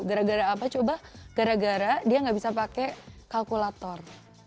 gara gara apa coba gara gara dia nggak bisa pakai kalkulator